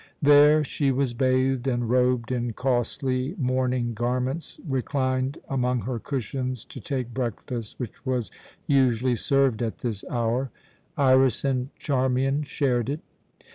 There she was bathed and, robed in costly mourning garments, reclined among her cushions to take breakfast, which was usually served at this hour. Iras and Charmian shared it.